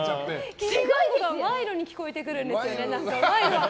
きび団子が賄賂に聞こえてくるんですよね。